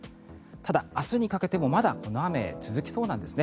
ただ、明日にかけてもまだこの雨続きそうなんです。